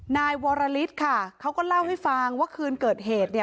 นายวรฤทธิ์ค่ะเขาก็เล่าให้ฟังว่าคืนเกิดเหตุเนี่ย